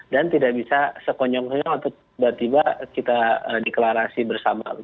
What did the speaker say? dan tidak bisa sekonyong konyong atau tiba tiba kita deklarasi bersama